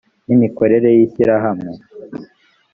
n imikorere y ishyirahamwe